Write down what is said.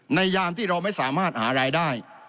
ยามที่เราไม่สามารถหารายได้